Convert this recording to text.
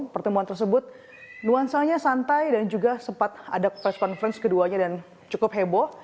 pertemuan tersebut nuansanya santai dan juga sempat ada press conference keduanya dan cukup heboh